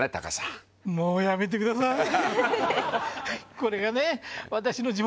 これがね。